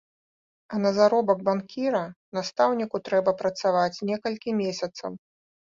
А на заробак банкіра настаўніку трэба працаваць некалькі месяцаў.